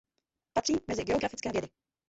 Patří mezi geografické vědy.